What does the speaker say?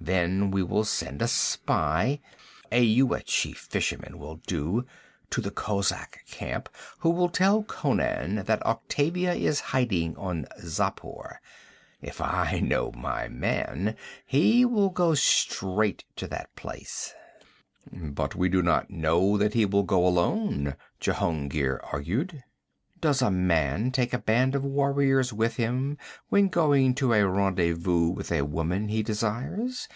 'Then we will send a spy a Yuetshi fisherman will do to the kozak camp, who will tell Conan that Octavia is hiding on Xapur. If I know my man, he will go straight to that place.' 'But we do not know that he will go alone,' Jehungir argued. 'Does a man take a band of warriors with him, when going to a rendezvous with a woman he desires?'